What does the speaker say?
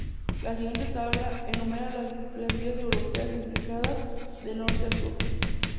La siguiente tabla enumera las vías europeas implicadas, de norte a sur.